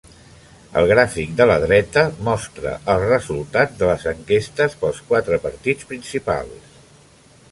El gràfic de la dreta mostra els resultats de les enquestes pels quatre partits principals.